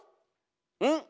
うん？